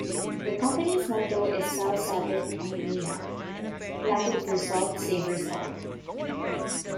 The Company's motto is "Sal Sapit Omnia", Latin for "Salt Savours All".